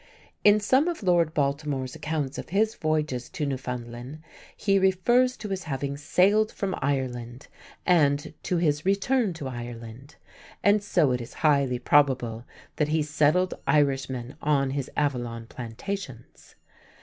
In some of Lord Baltimore's accounts of his voyages to Newfoundland he refers to his having "sailed from Ireland" and to his "return to Ireland," and so it is highly probable that he settled Irishmen on his Avalon plantations.